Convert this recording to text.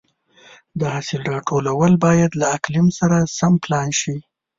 د حاصل راټولول باید له اقلیم سره سم پلان شي.